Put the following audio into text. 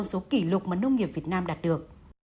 một số kỷ lục mà nông nghiệp việt nam đạt được